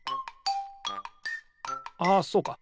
あそうか。